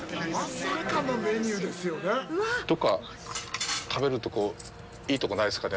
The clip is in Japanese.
どこか、食べるところ、いいところ、ないですかね？